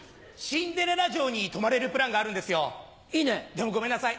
でもごめんなさい